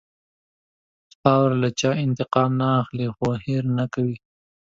خاوره له چا انتقام نه اخلي، خو هېر نه کوي.